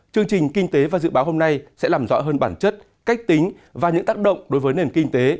chương trình kinh tế và dự báo hôm nay sẽ làm rõ hơn bản chất cách tính và những tác động đối với nền kinh tế